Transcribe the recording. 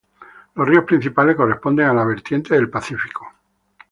Los ríos principales corresponden a la vertiente del Pacífico.